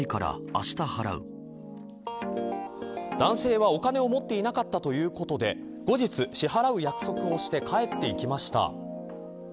男性はお金を持っていなかったということで後日支払う約束をして帰っていきました。